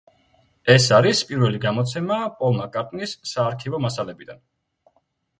ეს არის პირველი გამოცემა პოლ მაკ-კარტნის საარქივო მასალებიდან.